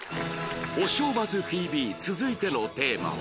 『おしょうバズ ＴＶ』続いてのテーマは